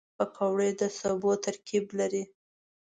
پکورې د سبو ترکیب لري